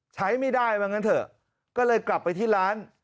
ใช้ไม่ได้ว่างั้นเถอะก็เลยกลับไปที่ร้าน